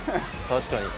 確かに。